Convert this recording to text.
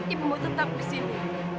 ibu mau tetap disini